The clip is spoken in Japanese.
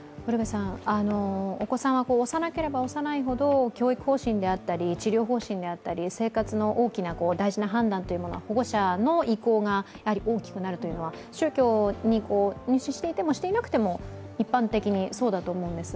お子さんは幼ければ幼いほど教育方針であったり、治療方針であったり、生活の大事な判断というのは保護者の意向が大きくなるというのは宗教に入信していてもしていなくても一般的にそうだと思うんです。